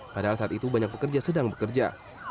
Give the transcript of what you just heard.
padahal saat itu banyak pekerja sedang bekerja